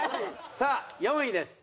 さあ４位です。